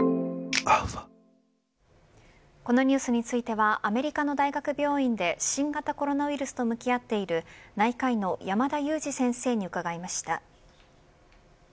このニュースについてはアメリカの大学病院で新型コロナウイルスと向き合っている内科医の山田悠史先生に伺いました。